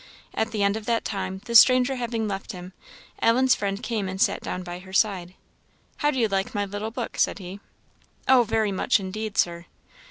At the end of that time, the stranger having left him, Ellen's friend came and sat down by her side. "How do you like my little book?" said he. "Oh, very much indeed, Sir."